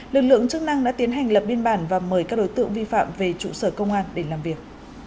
lực lượng chức năng đã tiến hành lập biên bản và mời các đối tượng vi phạm về trụ sở công an để làm việc